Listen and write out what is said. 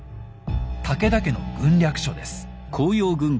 武田家の軍略書です。